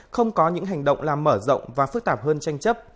không có những hành động làm mở rộng và phức tạp hơn tranh chấp